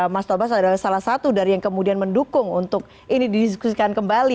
mas tobas adalah salah satu dari yang kemudian mendukung untuk ini didiskusikan kembali